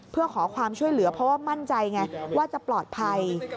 เพื่อขอความช่วยเหลือเพราะว่ามั่นใจไงว่าจะปลอดภัย